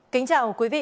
kính chào quý vị